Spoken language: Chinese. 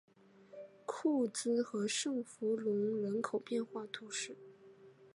库兹和圣弗龙人口变化图示